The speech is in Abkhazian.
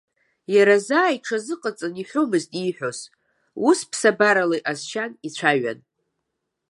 Иара заа иҽазыҟаҵан иҳәомызт ииҳәоз, ус ԥсабарала иҟазшьан, ицәаҩан.